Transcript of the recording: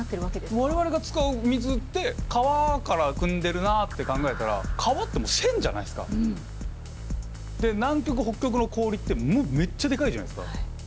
我々が使う水って川からくんでるなって考えたらで南極北極の氷ってもうめっちゃでかいじゃないっすか。